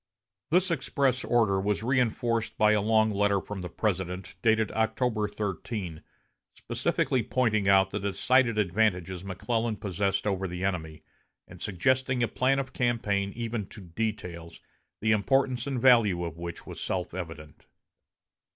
This express order was reinforced by a long letter from the President, dated October 13, specifically pointing out the decided advantages McClellan possessed over the enemy, and suggesting a plan of campaign even to details, the importance and value of which was self evident.